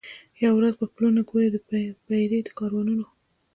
یوه ورځ به پلونه ګوري د پېړۍ د کاروانونو